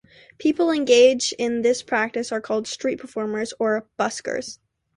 People engaging in this practice are called street performers or buskers.